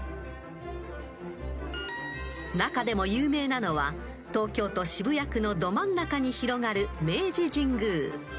［中でも有名なのは東京都渋谷区のど真ん中に広がる］